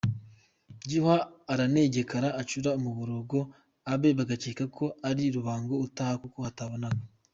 Gihwa aranegekara acura umuborogo abe bagakeka ko ari Rubango utaka kuko hatabonaga.